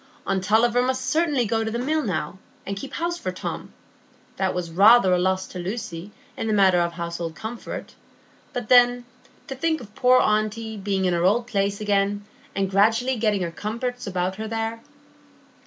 Aunt Tulliver must certainly go to the Mill now, and keep house for Tom; that was rather a loss to Lucy in the matter of household comfort; but then, to think of poor aunty being in her old place again, and gradually getting comforts about her there!